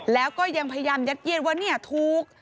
แล้วก็ยังพยายามยัดเยียดว่าเนี่ยถูก